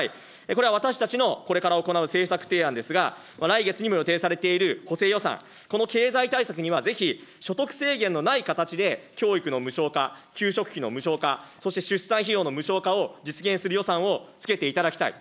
これは私たちのこれから行う政策提案ですが、来月にも予定されている補正予算、この経済対策には、ぜひ所得制限のない形で、教育の無償化、給食費の無償化、そして出産費用の無償化を実現する予算をつけていただきたい。